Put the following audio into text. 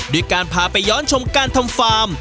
ด้วยการพาไปย้อนชมการทำฟาร์ม